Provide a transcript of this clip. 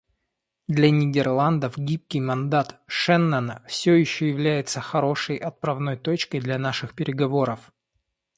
Для Нидерландов гибкий мандат Шеннона все еще является хорошей отправной точкой для наших переговоров.